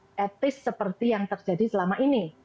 tidak at least seperti yang terjadi selama ini